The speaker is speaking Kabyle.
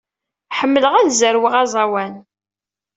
Ḥemmleɣ ad zerweɣ aẓawan.